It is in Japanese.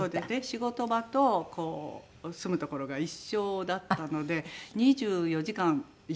仕事場と住む所が一緒だったので２４時間一緒みたいな所でね。